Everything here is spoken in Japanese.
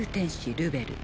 ルベル